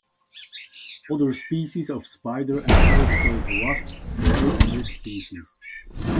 Other species of spider and parasitoid wasps prey on this species.